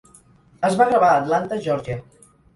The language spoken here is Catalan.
Es va gravar a Atlanta, Geòrgia.